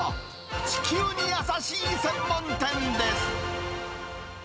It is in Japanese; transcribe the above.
地球に優しい専門店です。